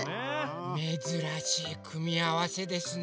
めずらしいくみあわせですね。